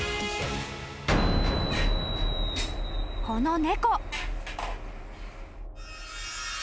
［この猫］